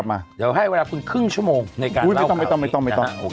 นี่ใช้เวลาครึ่งชั่วโมง